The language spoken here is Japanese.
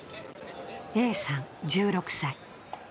Ａさん、１６歳。